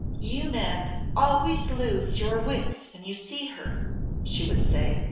"You men always lose your wits when you see her," she would say.